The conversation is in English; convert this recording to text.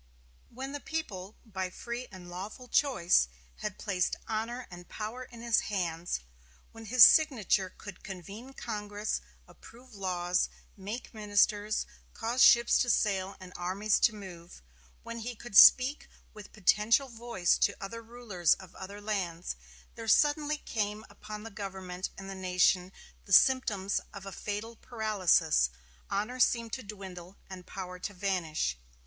When the people, by free and lawful choice, had placed honor and power in his hands; when his signature could convene Congress, approve laws, make ministers, cause ships to sail and armies to move; when he could speak with potential voice to other rulers of other lands, there suddenly came upon the government and the nation the symptoms of a fatal paralysis; honor seemed to dwindle and power to vanish.